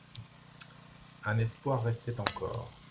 Un espoir restait encore.